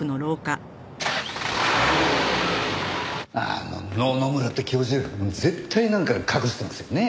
あの野々村って教授絶対なんか隠してますよね。